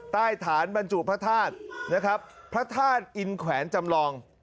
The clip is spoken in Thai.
ใต้ฐานบรรจุพระธาตุนะครับพระธาตุอินแขวนจำลอง